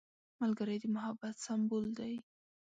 ملګری د محبت سمبول دی